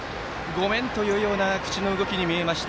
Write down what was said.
「ごめん！」というような口の動きに見えました。